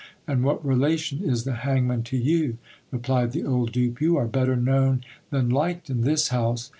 And what relation is the hangman to you ? replied the old dupe : you are better known than liked in this house.